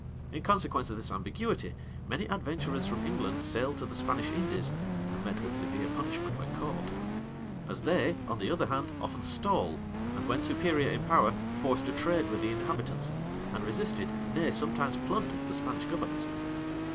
In consequence of this ambiguity, many adventurers from England sailed to the Spanish Indies, and met with severe punishment when caught; as they, on the other hand, often stole, and when superior in power, forced a trade with the inhabitants, and resisted, nay, sometimes plundered, the Spanish governors.